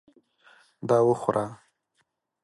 دا وخوره !